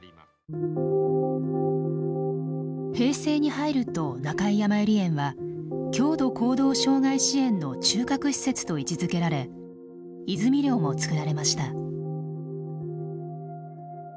平成に入ると中井やまゆり園は強度行動障害支援の中核施設と位置づけられ泉寮も造られました。